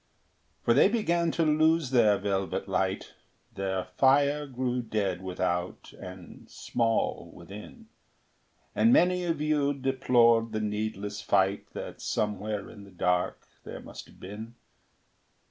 For they began to lose their velvet light; Their fire grew dead without and small within; And many of you deplored the needless fight That somewhere in the dark there must have been.